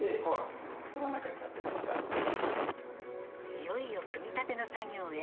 いよいよ組み立ての作業へ。